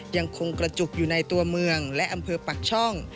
ยังคงกระจุกอยู่ในตัวเมืองและอำเภอปักช่อง